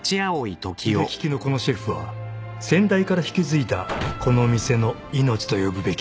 ［腕利きのこのシェフは先代から引き継いだこの店の命と呼ぶべき］